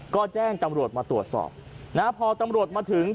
ก็แจ้งตำรวจมาตรวจสอบนะฮะพอตำรวจมาถึง